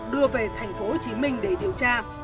đưa về thành phố hồ chí minh để điều tra